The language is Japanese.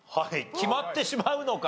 決まってしまうのか？